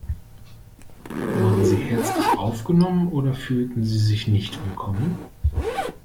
Wurden Sie herzlich aufgenommen oder fühlten Sie sich nicht willkommen?